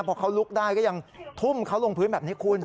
พอเขาลุกได้ก็ยังทุ่มเขาลงพื้นแบบนี้คุณ